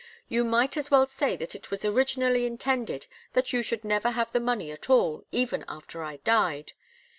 You might as well say that it was originally intended that you should never have the money at all, even after I died.